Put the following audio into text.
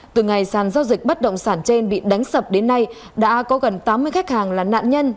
từ ngày sàn giao dịch bất động sản trên bị đánh sập đến nay đã có gần tám mươi khách hàng là nạn nhân